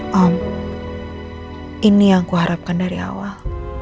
hmm ini yang kuharapkan dari awal